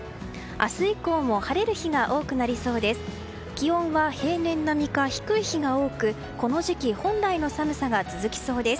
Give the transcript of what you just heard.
明日以降も晴れる日が多くなりそうです。